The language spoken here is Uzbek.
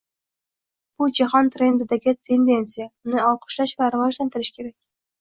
Bu jahon trendidagi tendentsiya, uni olqishlash va rivojlantirish kerak